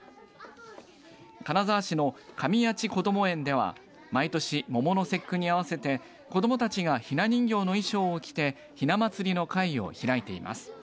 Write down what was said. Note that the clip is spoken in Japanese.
金沢市のかみやちこども園では毎年、桃の節句に合わせて子どもたちがひな人形の衣装を着てひなまつりの会を開いています。